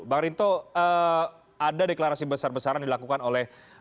bang rinto ada deklarasi besar besaran dilakukan oleh